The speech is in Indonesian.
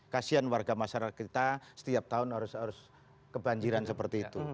kasian warga masyarakat kita setiap tahun harus kebanjiran seperti itu